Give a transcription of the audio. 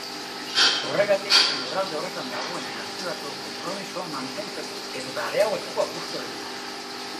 Horregatik, lurralde horretan dagoen nazioarteko konpromisoa mantentzeko edota areagotzeko apustua egin dute.